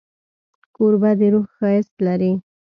کوربه د روح ښایست لري.